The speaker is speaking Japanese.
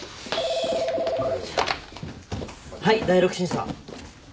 ☎はい第六審査。